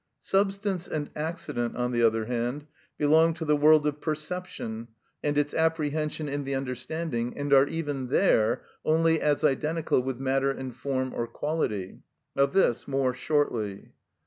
Substance and accident, on the other hand, belong to the world of perception and its apprehension in the understanding, and are even there only as identical with matter and form or quality. Of this more shortly.